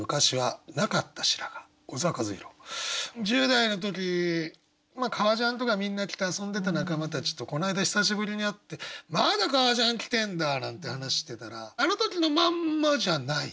１０代の時革ジャンとかみんな着て遊んでた仲間たちとこの間久しぶりに会って「まだ革ジャン着てんだ！」なんて話してたら「あの時のまんまじゃない。